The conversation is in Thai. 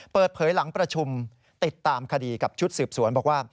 เปิดเผยหลังประชุมติดตามคดีกับชุดสืบสวนบอกว่า